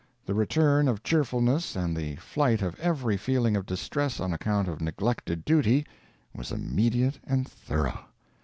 The return of cheerfulness and the flight of every feeling of distress on account of neglected duty, was immediate and thorough.